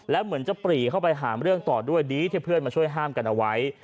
แล้วเหมือนจะปรีเข้าไปหาเรื่องต่อด้วยดีที่เพื่อนมาช่วยห้ามกันเอาไว้